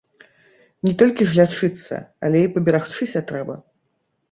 Не толькі ж лячыцца, але і паберагчыся трэба.